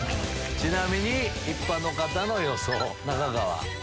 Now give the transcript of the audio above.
ちなみに一般の方の予想。